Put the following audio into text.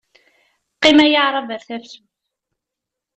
Qqim a yaɛṛab ar tefsut.